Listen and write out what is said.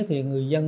thì người dân